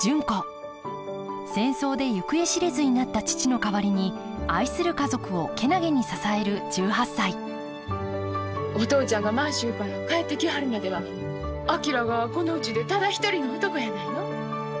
戦争で行方知れずになった父の代わりに愛する家族を健気に支える１８歳お父ちゃんが満州から帰ってきはるまでは昭がこのうちでただ一人の男やないの。